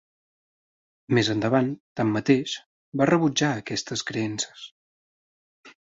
Més endavant, tanmateix, va rebutjar aquestes creences.